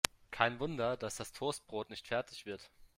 Kein Wunder, dass das Toastbrot nicht fertig wird.